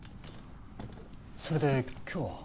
それで今日は？